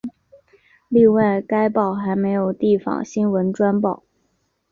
另外该报还设有地方新闻专版。